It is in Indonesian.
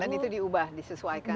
dan itu diubah disesuaikan